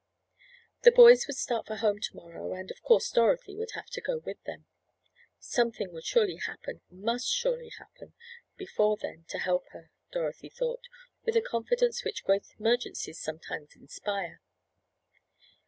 The boys would start for home to morrow, and of course Dorothy would have to go with them. Something would surely happen—must surely happen before then to help her, Dorothy thought, with a confidence which great emergencies sometimes inspire.